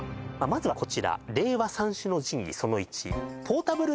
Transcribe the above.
まずはこちら令和三種の神器